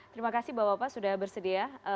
terima kasih bapak bapak sudah bersedia